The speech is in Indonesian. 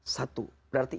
satu berarti iman